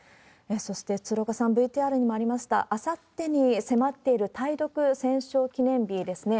そして、鶴岡さん、ＶＴＲにもありました、あさってに迫っている対独戦勝記念日ですね。